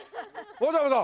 わざわざ？